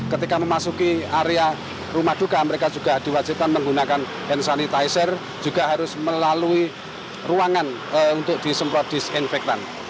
ketika memasuki area rumah duka mereka juga diwajibkan menggunakan hand sanitizer juga harus melalui ruangan untuk disemprot disinfektan